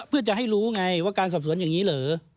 เพื่อจะให้รู้ไงว่าการสอบสวนอย่างนี้เหรอ